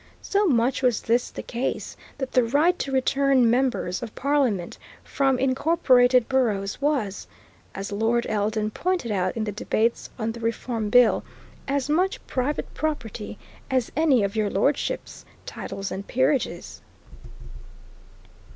So much was this the case that the right to return members of Parliament from incorporated boroughs was, as Lord Eldon pointed out in the debates on the Reform Bill, as much private property "as any of your lordships'" titles and peerages.